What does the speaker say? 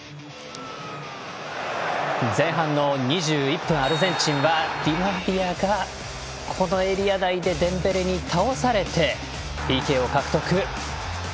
前半２１分、アルゼンチンはディマリアがこのエリア内でデンベレに倒されてＰＫを獲得。